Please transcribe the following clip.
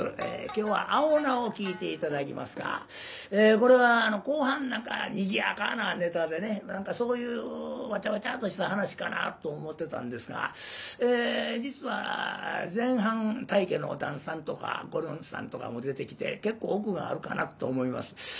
今日は「青菜」を聴いて頂きますがこれは後半何かにぎやかなネタでねそういうワチャワチャッとした噺かなと思ってたんですが実は前半大家の旦さんとかごりょんさんとかも出てきて結構奥があるかなと思います。